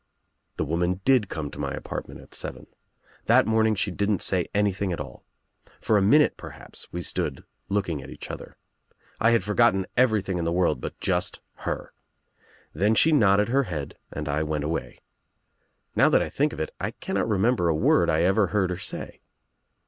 "The woman did come to my apartment at seven. That morning she didn't say anything at all. For a minute perhaps we stood looking at each other, I had forgotten everything in the world but just her. Then she nodded her head and I went away. Now that I think of it I cannot remember a word I ever heard her say.